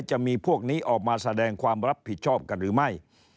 จะมีพวกนี้ออกมาแสดงความรับผิดชอบกันหรือไม่